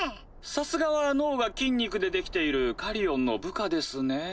さすがは脳が筋肉で出来ているカリオンの部下ですねぇ。